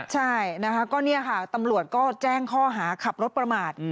ใช่นะคะก็เนี่ยค่ะตำรวจก็แจ้งข้อหาขับรถประมาท